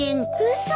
嘘。